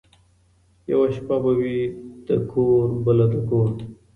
یوه شپه به وي د کور بله د ګور ده